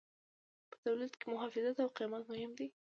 په تولید کې محافظت او قیمت مهم دي.